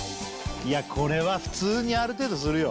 いやこれは普通にある程度するよ